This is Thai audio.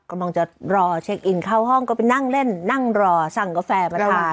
กำลังจะรอเช็คอินเข้าห้องก็ไปนั่งเล่นนั่งรอสั่งกาแฟมาทาน